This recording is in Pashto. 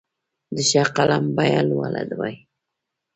د ښه قلم بیه لوړه وي.